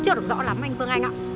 chưa được rõ lắm anh phương anh ạ